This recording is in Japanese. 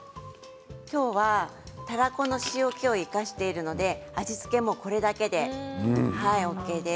今日はたらこの塩けを生かしているので、味付けもこれだけでＯＫです。